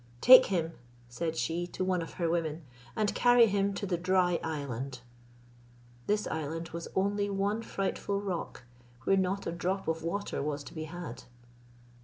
"Take him," said she to one of her women, "and carry him to the Dry Island." This island was only one frightful rock, where not a drop of water was to be had.